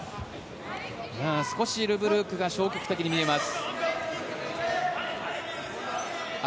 少しル・ブルークが消極的に見えます。